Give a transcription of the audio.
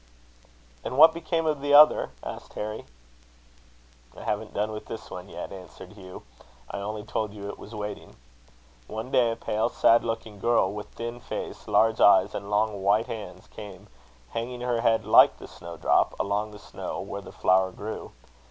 "And what became of the other?" asked Harry. "I haven't done with this one yet," answered Hugh. "I only told you it was waiting. One day a pale, sad looking girl, with thin face, large eyes, and long white hands, came, hanging her head like the snowdrop, along the snow where the flower grew.